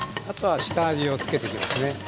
あとは下味を付けていきますね。